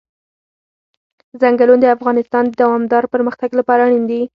ځنګلونه د افغانستان د دوامداره پرمختګ لپاره اړین دي.